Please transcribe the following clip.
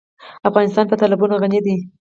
افغانستان په تالابونه غني دی.